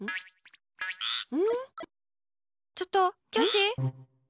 ちょっと、キャシー？